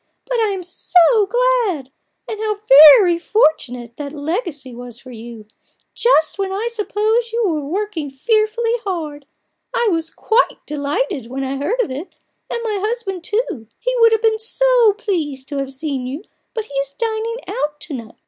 But I am so glad. And how very fortunate that legacy was for you — just when I suppose you were working fearfully THE BARGAIN OF RUPERT ORANGE, 31 hard. I was quite delighted when I heard of it, and my husband too. He would have been so pleased to have seen you, but he is dining out to night."